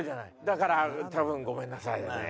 だから多分ごめんなさいだね。